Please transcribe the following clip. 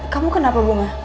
kamu kenapa bunga